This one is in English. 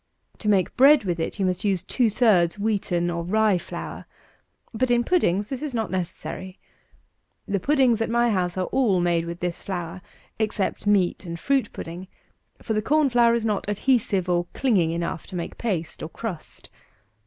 To make bread with it you must use two thirds wheaten, or rye, flour; but in puddings this is not necessary. The puddings at my house are all made with this flour, except meat and fruit pudding; for the corn flour is not adhesive or clinging enough to make paste, or crust.